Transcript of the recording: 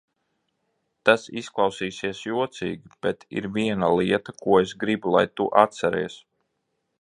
Tas izklausīsies jocīgi, bet ir viena lieta, ko es gribu, lai tu atceries.